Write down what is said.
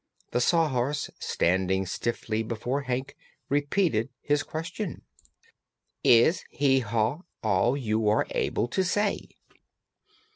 The Sawhorse, standing stiffly before Hank, repeated his question: "Is 'hee haw' all you are able to say?"